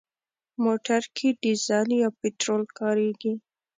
موټر کې ډيزل یا پټرول کارېږي.